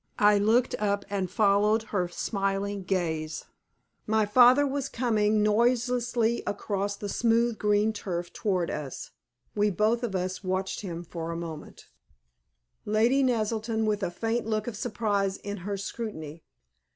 I looked up and followed her smiling gaze. My father was coming noiselessly across the smooth, green turf towards us. We both of us watched him for a moment, Lady Naselton with a faint look of surprise in her scrutiny.